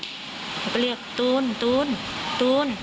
เขาก็เรียกตูนตูนตูน